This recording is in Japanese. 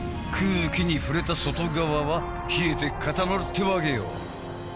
空気に触れた外側は冷えて固まるってわけよ。